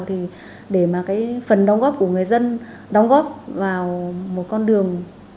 thì để mà cái phần đóng góp của người dân đóng góp vào một con đường